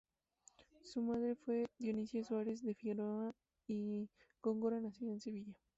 Su madre fue Dionisia Suárez de Figueroa y Góngora, nacida en Sevilla.